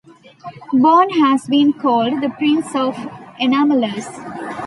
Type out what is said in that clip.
Bone has been called the "Prince of Enamelers".